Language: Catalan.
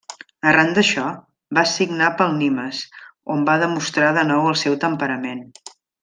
Arran d'això, va signar pel Nimes, on va demostrar de nou el seu temperament.